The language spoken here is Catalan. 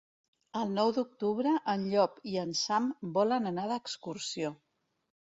El nou d'octubre en Llop i en Sam volen anar d'excursió.